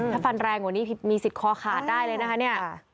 ถ้าฟันแรงกว่านี้มีสิทธิ์คอขาดได้เลยนะคะเนี่ย